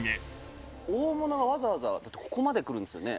大物がわざわざここまで来るんですよね？